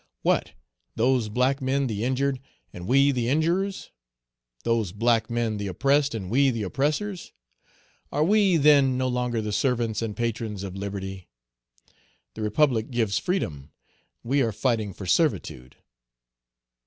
"What! those black men the injured, and we the injurers! those black men the oppressed, and we the oppressors! Are we, then, no longer the servants and patrons of liberty? The Republic gives freedom; we are fighting for servitude."